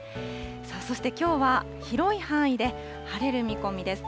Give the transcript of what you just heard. そしてきょうは広い範囲で晴れる見込みです。